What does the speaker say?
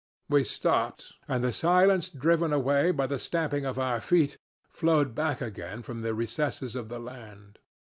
We stopped, and the silence driven away by the stamping of our feet flowed back again from the recesses of the land.